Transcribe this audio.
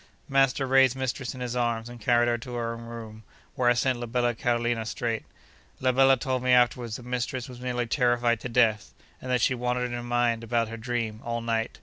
Master raised mistress in his arms, and carried her to her own room, where I sent la bella Carolina straight. La bella told me afterwards that mistress was nearly terrified to death, and that she wandered in her mind about her dream, all night.